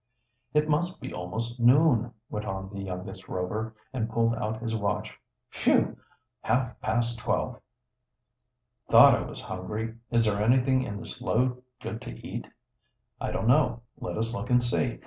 "It must be almost noon," went on the youngest Rover, and pulled out his watch. "Phew! Half past twelve!" "Thought I was hungry. Is there anything in this load good to eat?" "I don't know. Let us look and see.